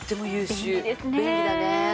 便利だね。